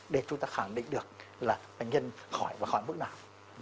để chúng ta khẳng định được là bệnh nhân khỏi và khỏi mức nào